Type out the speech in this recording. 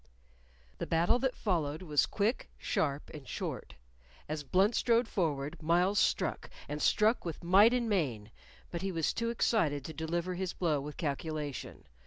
The battle that followed was quick, sharp, and short. As Blunt strode forward, Myles struck, and struck with might and main, but he was too excited to deliver his blow with calculation.